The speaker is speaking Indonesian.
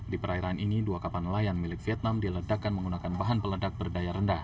di perairan ini dua kapal nelayan milik vietnam diledakkan menggunakan bahan peledak berdaya rendah